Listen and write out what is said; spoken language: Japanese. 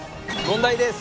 問題です。